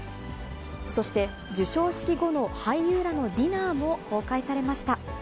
そして、授賞式後の俳優らのディナーも公開されました。